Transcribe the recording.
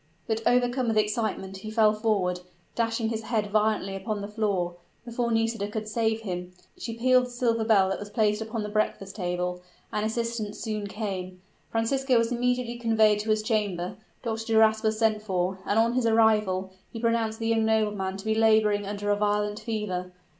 But, overcome with excitement, he fell forward dashing his head violently upon the floor, before Nisida could save him. She pealed the silver bell that was placed upon the breakfast table, and assistance soon came. Francisco was immediately conveyed to his chamber Dr. Duras was sent for and on his arrival, he pronounced the young nobleman to be laboring under a violent fever.